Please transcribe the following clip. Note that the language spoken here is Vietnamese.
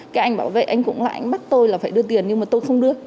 cái anh bảo vệ anh cũng lại anh bắt tôi là phải đưa tiền nhưng mà tôi không đưa